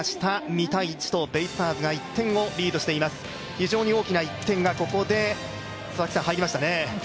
非常に大きな１点がここで、入りましたね。